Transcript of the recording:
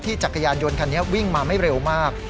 จักรยานยนต์คันนี้วิ่งมาไม่เร็วมาก